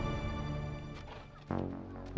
aku mau pergi